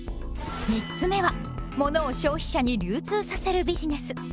３つ目はものを消費者に流通させるビジネス。